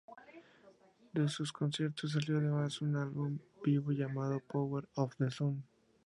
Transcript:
De sus conciertos salió además un álbum en vivo llamado "Power of the Sound".